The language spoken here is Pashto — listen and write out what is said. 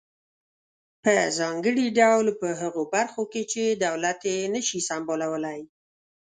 په ځانګړي ډول په هغه برخو کې چې دولت یې نشي سمبالولای.